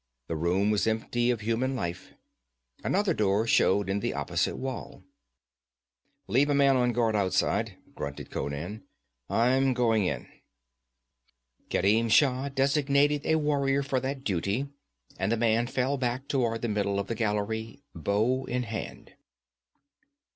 The room was empty of human life. Another door showed in the opposite wall. 'Leave a man on guard outside,' grunted Conan. 'I'm going in.' Kerim Shah designated a warrior for that duty, and the man fell back toward the middle of the gallery, bow in hand.